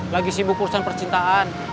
lagi sibuk urusan percintaan